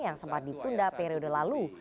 yang sempat ditunda periode lalu